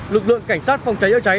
lực lượng cảnh sát phòng cháy ở cháy